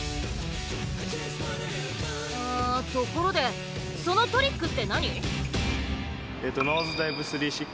あところでそのトリックって何？